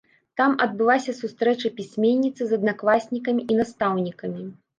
Там адбылася сустрэча пісьменніцы з аднакласнікамі і настаўнікамі.